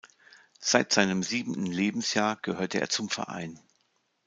Seit seinem siebenten Lebensjahr gehörte er zum Verein.